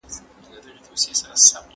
ننګ او غيرت د پښتنو ځانګړنه ده.